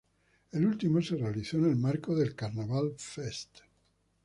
El último se realizó en el marco del Carnaval Fest.